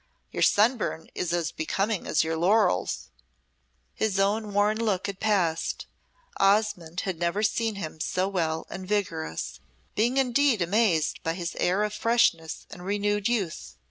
Your sunburn is as becoming as your laurels." His own worn look had passed. Osmonde had never seen him so well and vigorous, being indeed amazed by his air of freshness and renewed youth.